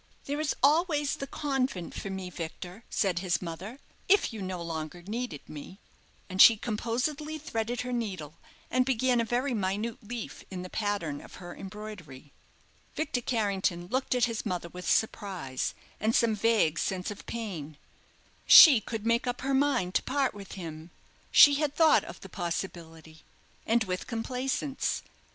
"There is always the convent for me, Victor," said his mother, "if you no longer needed me." And she composedly threaded her needle, and began a very minute leaf in the pattern of her embroidery. Victor Carrington looked at his mother with surprise, and some vague sense of pain. She could make up her mind to part with him she had thought of the possibility, and with complacence.